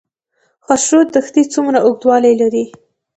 خاشرود دښتې څومره اوږدوالی لري؟